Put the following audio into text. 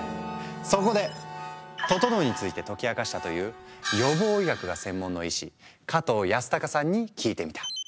そこで「ととのう」について解き明かしたという予防医学が専門の医師加藤容祟さんに聞いてみた。